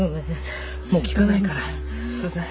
もう聞かないから母さん。